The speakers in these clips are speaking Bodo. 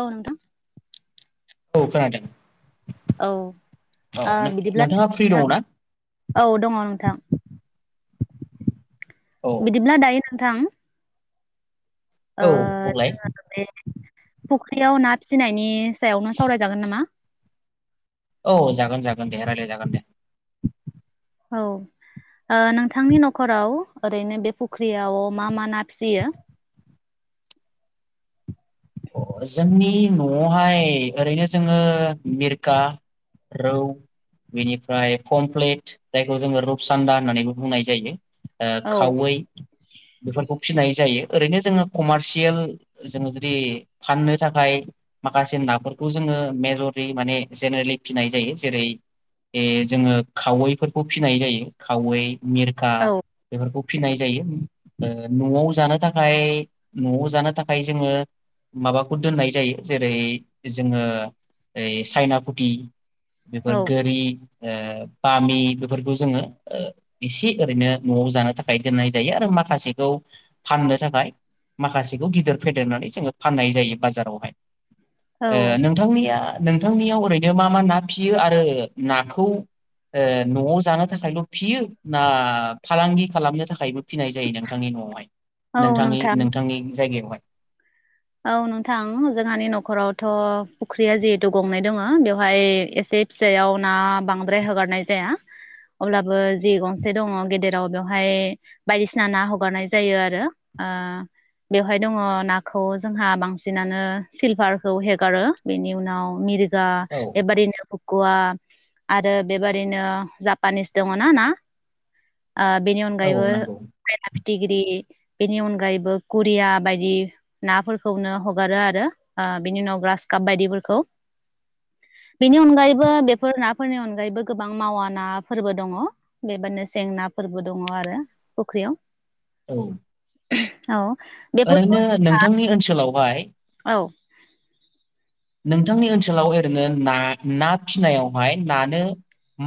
औ नोंथां औ खोनादों औ औ ओ बिदिब्ला नोंथाङा फ्रि दङ नोंथां ना औ दङ नोंथां औ बिदिब्ला दायो नोंथां ओ औ बुंलाय फख्रियाव ना फिनायनि सायावनो सावरायजागोन नामा औ जागोन जागोन दे रायलायजागोन दे औ ओ नोंथांनि नखराव ओरैनो बे फख्रियाव मा मा ना फिसियो अ जोंनि न'आवहाय ओरैनो जोङो मिरखा रौ बेनिफ्राय पमप्लेट जायखौ जोङो रुपसान्दा होननानैबो बुंनाय जायो ओ औ खावै बेफोरखौ फिनाय जायो ओरैनो जोङो कमारसियेल जोङो गो फि फाननो थाखाय माखासे नाफोरखौ जोङो मेजरलि माने जेनेरेलि फिसिनाय जायो जेरै ए जोङो खावैफोरखौ फिनाय जायो खावै मिरखा औ बेफोरखौ फिनाय जायो ओ न'आव जानो थाखाय न'आव जानो थाखाय जोङो माबाखौ दोननाय जायो जेरै जोङो ओइ चायना फुथि बेफोर औ गोरि ओ बामि बेफोरखौ जोङो ओ एसे ओरैनो न'आव जानो थाखाय दोननाय जायो आरो माखासेखौ फाननो थाखाय माखासेखौ गिदिर फेदेरनानै जोङो फाननाय जायो बाजारावहाय औ ओ नोंथांनिया नोंथांनियाव ओरैनो मा मा ना फियो आरो नाखौ ओ न'आव जानो थाखायल' फियो ना फालांगि खालामनो थाखायबो फिनाय जायो नोंथांनि न'आवहाय औ नोंथांनि नोंथां नोंथांनि जायगायावहाय औ नोंथां जोंहानि नखरावथ' फुख्रिया जिहेथु गंनै दङ बेवहाय एसे फिसायाव ना बांद्राय हगारनाय जाया अब्लाबो जि गंसे दङ गेदेराव बेवहाय बायदिसिना ना हगारनाय जायो आरो ओ बेवहाय दङ ना ख खौ जोंहा बांसिनानो सिलभारखौ हेगारो बेनि उनाव मिर दा औ एबारिनो गवा आरो बेबादिनो जापानिस दङ ना ना आ बेनि औ अनगायैबो नंगौ [unintelligible] फिथिग्रि बेनि अनगायैबो कुरिया बायदि नाफोरखौनो हगारो आरो आ बिनि उनाव ग्रासकाप बायदिफोरखौ बेनि अनगायैबो बेफोर नाफोरनि अनगायैबो गोबां मावा नाफोरबो दङ बेबोनो सें नाफोरबो दङ आरो फुख्रियाव औ [unintelligible] औ बेफोरखौ ओरैनो नों नोथांनि ओनसोलाव वहाय औ नोंथांनि ओनसोलाव एरैनो ना ना फिनायावहाय नानो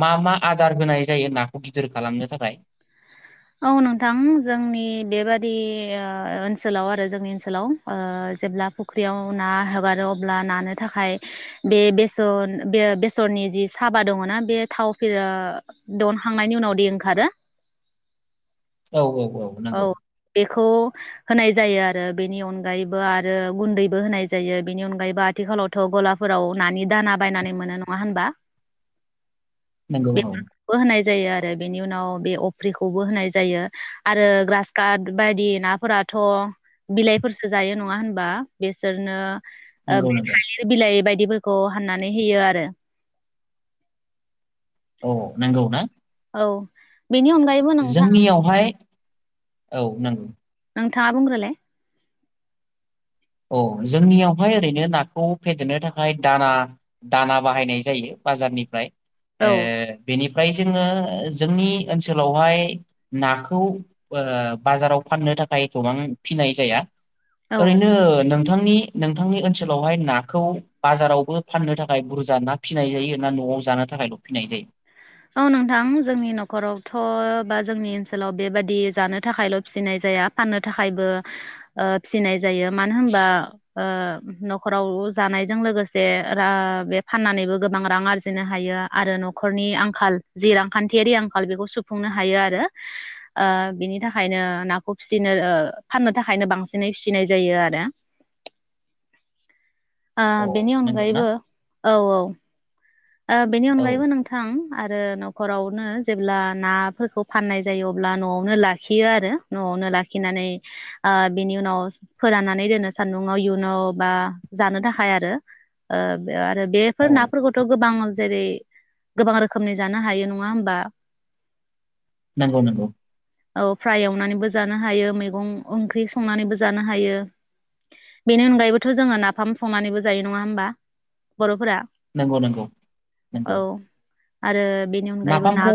मा मा आदार होनाय जायो नाखौ गिदिर खालामनो थाखाय औ नोंथां जोंनि बेबादि ओ-ओनसोलाव आरो जोंनि ओनसोलाव ओ जेब्ला फुख्रियाव ना हगारो अब्ला नानो थाखाय बे बेसन बे बेसरनि जि साबा दङना बे थाव दनखांनायनि उनाव दि ओंखारो औ औ औ बेखौ होनाय जायो आरो बेनि अनगायैबो आरो गुन्दैबो होनाय जायो बेनि अनगायैबो आथिखालावथ' गलाफोराव नानि दाना बायनानै मोनो नङा होनबा नंगौ औ बेफोरखौबो होनाय जायो आरो बेनि उनाव बे अफ्रिखौबो होनाय जायो आरो ग्रास काट बायदि नाफोराथ' बिलाइफोरसो जायो नङा होनबा बेसोरनो ओ नंगौ बे नंगौ थालिर बिलाइ बायदि बिदिफोरखौ हाननानै होयो आरो अ नंगौ ना औ बेनि अनगायैबो नोंथां जोंनियावहाय औ नांगौ नोंथाङा बुंग्रोलाय औ जोंनियावहाय ओरैनो नाखौ फेदेरनो थाखाय दाना दाना बाहायनाय जायो बाजारनिफ्राय औ ए बेनिफ ओमफ्राय जोङो जोंनि ओनसोलावहाय नाखौ ओ बाजाराव फाननो थाखाय गोबां फिनाय जाया औ ओरैनो नोंथांनि नोंथांनि ओनसोलावहाय नाखौ बाजारावबो फाननो थाखाय बुरजा ना फिसिनाय जायो ना न'आव जानो थाखायल' फिनाय जायो औ नोंथां जोंनि नखरावथ' बा जोंनि ओनसोलाव बेबादि जानो थाखायल' फिसिनाय जाया फाननो थाखायबो ओ फिसिनाय जायो मानो होनबा ओ नखराव जानायजों लोगोसे बे फाननानैबो गोबां रां आरजिनो हायो आरो नखरनि आं आंखाल जि रांखान्थियारि आंखाल बेखौ सुफुंनो हायो आरो ओ बिनि थाखायनो नाखौ फिसिनो फाननो थाखायनो बांसिनै फिसिनाय जायो आरो आ अ बेनि नंगौ ना अनगायैबो औ औ ओ बेनि औ अनगायैबो नोंथां आरो नखरावनो जेब्ला नाफोरखौ फाननाय जायो अब्ला न'आवनो लाखियो आरो न'आवनो लाखिनानै ओ बिनि उनाव फोराननानै दोनो सान्दुंङाव इयुनाव बा जानो थाखाय आरो आरो बेफोर औ नाफोरखौ गोबां जेरै गोबां रोखोमनि जानो हायो नङा होमबा नंगौ नंगौ औ फ्राय एवनानैबो जानो हायो मैगं ओंख्रि संनानैबो जानो हायो बेनि अनगायैबोथ' जोङो नाफाम संनानैबो जायो नङा होमबा बर'फोरा नंगौ नंगौ औ नंगौ आरो बेनि अनगायैबो ना नाफामखौ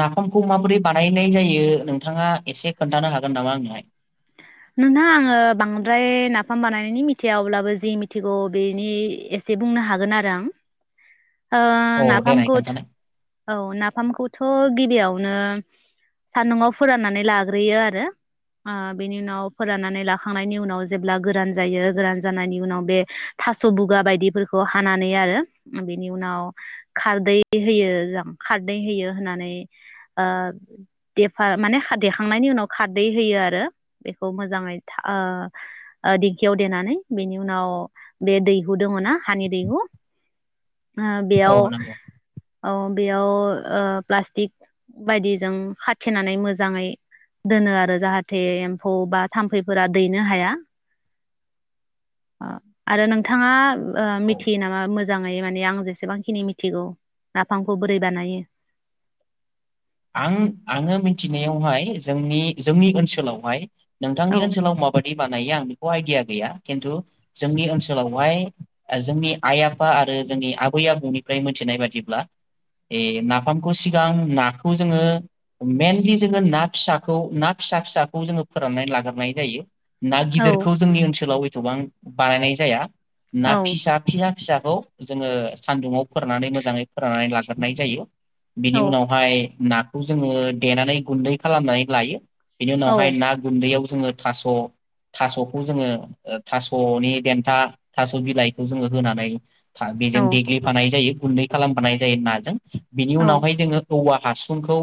नाफामखौ माबोरै बानायनाय जायो नोंथाङा एसे खोन्थानो हागोन नामा आंनोलाय नोंथां आङो बांद्राय नाफाम बानायनायनि मिथिया अब्लाबो जि मिथिगौ बेनि एसे बुंनो हागोन आरो आं औ नाफाम देनाय कुद खोन्थानाय औ नाफाम कुद थ गिबियावनो सान्दुंआव फोराननानै लाग्रोयो आरो ओ बिनि उनाव फोराननानै लाखांनायनि उनाव जेब्ला गोरान जायो गोरान जानायनि उनाव बे थास' बुगा बायदिफोरखौ हानानै आरो बेनि उनाव खारदै होयो खारदै होयो होननानै ओ माने देखांनायनि उनाव खारदै होयो आरो बेखौ मोजाङै ओ ओ दिंखियाव देनानै बेनि उनाव बे दैहु दङ ना हानि दैहु ओ औ बेयाव नंगौ। औ बेयाव ओ प्लास्टिक बायदिजों खाथेनानै मोजाङै दोनो आरो जाहाथे एम्फौ बा थाम्फैफोरा दैनो हाया ओ आरो नोंथाङा ओ औ मिथियो नामा मोजां मोजाङै माने आं जेसेबांखिनि मिथिगौ नाफामखौ बोरै बानायो आं आङो मिथिनायावहाय जोंनि जोंनि ओनसोलावहाय नोंथांनि औ ओनसोलाव माबादि बानायो आं आइडिया गैया खिन्थु जोंनि ओनसोलावहाय जोंनि आइ आफा आरो जोंनि आबै आबौनिफ्राय मोनथिनाय बादिब्ला ए नाफामखौ सिगां ना खौ जोङो मेनलि जोङो ना फिसाखौ ना फिसा फिसाखौ जोङो फोराननानै लाग्रोनाय जायो ना औ गिदिरखौ जोंनि ओनसोलाव गोबां बानायनाय जाया ना औ फिसा फिया फिसाखौ जोङो सानदुुंङाव फोरनानै मोजाङै फोराननानै लाग्रोनाय जायो बिनि औ उनावहाय नाखौ जोङो देनानै गुन्दै खालामनानै लायो बेनि औ उनावहाय ना गुन्दैयाव जोङो थास' थास'खौ जोङो थासनि देन्था थास बिलाइखौ जोङो होनानै बेजों औ देग्लिफानाय जायो गुन्दै खालामफानाय जायो नाजों बिनि औ उनावहाय जोङो औवा हासुंखौ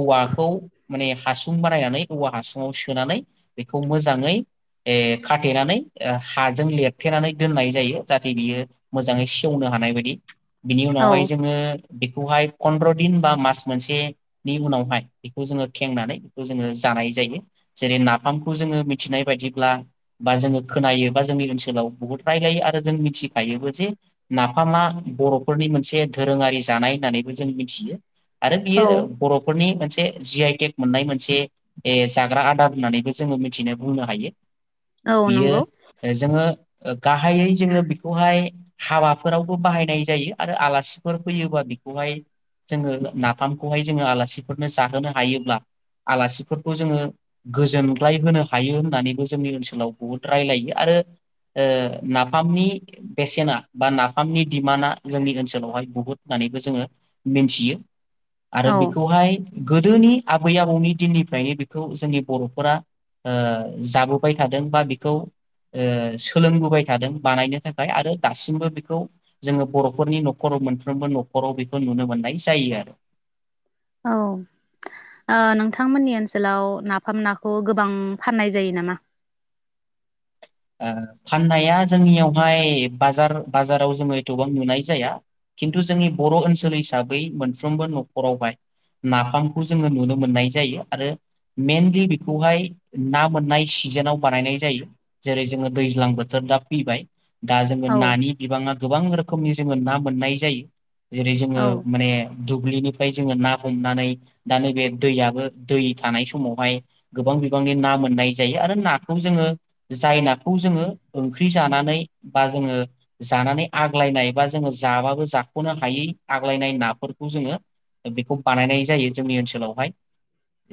औवाखौ माने हासुं बानायनानै औवा हासुङाव सोनानै बेखौ मोजाङै ए खाथेनानै हाजों लेरथेनानै दोननाय जायो जाहाथे बियो मोजाङै सेवनो हानाय बायदि बिनि उनावहाय औ जोङो बेखौहाय पन्द्र दिन बा मास मोनसेनि उनावहाय बेखौ जोङो खेंनानै बेखौ जोङो जानाय जायो जेरै नाफामखौ जोङो मिथिनाय बायदिब्ला बा जोङो खोनायोबा जोंनि ओनसोलाव बहुद रायलायो आरो जों मिथिखायोबो जे नाफामा बरफोरनि मोनसे दोरोङारि जानाय होननानैबो जों मिथियो आरो औ बियो बर'फोरनि मोनसे जी आइ टेग मोननाय मोनसे ए जाग्रा आदार होननानैबो जोङो मिथिनो बुंनो हायो औ बियो नंगौ जोङो ओ गाहायै जोङो बेखौहाय हाबाफोरावबो बाहायनाय जायो आरो आलासिफोर फैयोबा बेखौहाय जोङो ना नाफामखौहाय जोङो आलासिफोरनो जाहोनो हायोब्ला आलासिफोरखौ जोङो गोजोनग्लाय होनो हायो होननानैबो जोंनि ओनसोलाव बुहुद रायलायो आरो ओ नाफामनि बेसेना बा नाफामनि दिडिमान्डआ जोंनि ओनसोलावहाय बुहुत होननानैबो जोङो मिन्थियो आरो औ बेखौहाय गोदोनि आबै आबौनि दिननिफ्रायनो बेखौ जोंनि बरफोरा ओ जाबोबाय थादों बा बेखौ ओ सोलोंबोबाय थादों बानायनो थाखाय आरो दासिमबो बेखौ जोङो बरफोरनि नखराव मोनफ्रोमबो नखराव बेखौ नुनो मोननाय जायो आरो। ओ नोंथांमोननि ओनसोलाव नाफाम नाखौ गोबां फाननाय जायो नामा? ओ फाननाया जोंनियावहाय बाजार-बाजाराव जोङो एथबां नुनाय जाया खिन्थु जोंनि बर' ओनसोल हिसाबै मोनफ्रोमबो नखरावहाय नाफामखौ जोङो नुनो मोननाय जायो आरो मेइनलि बेखौहाय ना मोननाय सिजोनाव बानायनाय जायो जेरै जोङो दैज्लां बोथोर दा फैबाय दा जोङो औ नानि बिबाङा गोबां रोखोमनि जोङो ना मोननाय जायो। जेरै जोङो माने दुब्लिनिफ्राय जोङो ना हमनानै दा नैबे दैयाबो दै थानाय समावहाय गोबां बिबांनि ना मोननाय जायो आरो नाखौ जोङो। जाय नाखौ जोङो ओंख्रि जानानै बा जोङो जानानै आग्लायनाय बा जोङो जाबाबो जाख'नो हायै आग्लायनाय नाफोरखौ जोङो बेखौ बानायनाय जायो जोंनि ओनसोलावहाय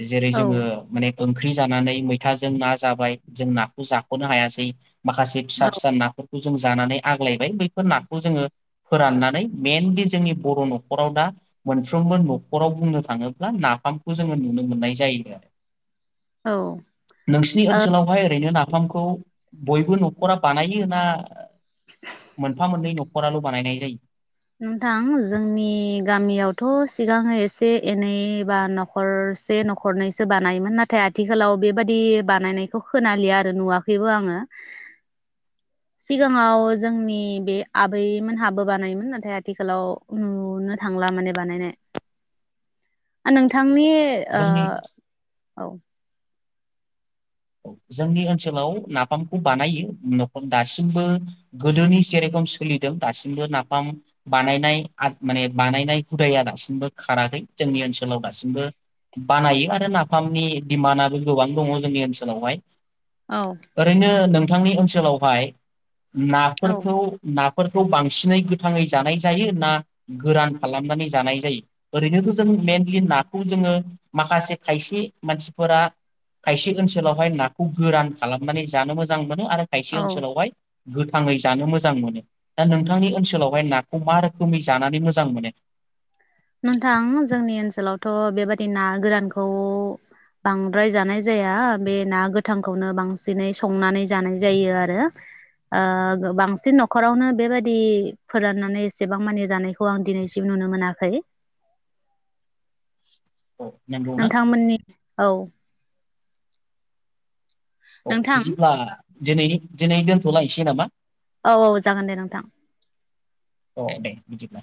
जेरै औ जोङो माने ओंख्रि जानानै मैथाजों ना जाबाय जों नाखौ जा खनो हायासै माखासे औ फिसा फिसा नाफोर जों जानानै आग्लायबाय बैफोर नाखौ जोङो फोराननानै मेइनलि जोंनि बर नखराव दा मोनफ्रोमबो नखराव बुंनो थाङोब्ला नाफामखौ जोङो नुनो मोननाय जायो आरो। औ नोंसिनि ओ ओनसोलावहाय ओरैनो ना नाफामखौ बयबो नखरा बानायो ना मोनफा मोननै न नखराल' बानायनाय जायो नोंथां जोंनि गामियावथ' सिगाङो एसे एनै बा नखरसे नखरनैसो बानायोमोन नाथाय आथिखालाव बेबादि बानायनायखौ खोनालिया आरो नुवाखैबो आङो सिगाङाव जोंनि बे आबैमोनहाबो बानायोमोन नाथ आथिखालाव नुनो थांला माने बानायनाय। नि जोंनि ओ औ जोंनि ओनसोलाव नाफामखौ बानायो नखदासिमबो गोदोनि जेरेखम सोलिदों दासिमबो नाफाम बानायनाय माने बानायनाय हुदाया दासिमबो खाराखै जोंनि ओनसोलाव दासिमबो बानायो आरो नाफामनि डिमान्डआबो गोबां दङ जोंनि ओनसोलाव। फोलावबाय औ ओरैनो नों नोंथांनि ओनसोलावहाय औ नाफोरखौ ना फोरखौ बांसिनै गोथाङै जानाय जायो ना गोरान खालामनानै जानाय जायो ओरैनोथ' जों मेइनलि नाखौ जोङो माखासे खायसे मानसिफोरा खायसे ओनसोल ओनसोलावहाय नाखौ गोरान खालामनानै जानो मोजां मोनो आरो खायसे औ ओनसोलावहाय गोथाङै जानो मोजां मोनो दा नोंथांनि ओनसोलावहाय नाखौ मा रोखोमै जानानै मोजां मोनो? नोंथां जोंनि ओनसोलावथ बेबादि ना गोरानखौ बांद्राय जानाय जाया बे ना गोथांखौनो बांसिनै संनानै जानाय जायो आरो बांसिन ओ नखरावनो बेबादि फोराननानै एसेबां मानि जानायखौ आं दिनैसिम नुनो मोनाखै। औ नंगौना नोंथांमोननि औ नोंथां बिदिब्ला दिनैनि दिनै दोनथ'लायसै नामा औ औ जागोन दे नोंथां। अ दे बिदिब्ला।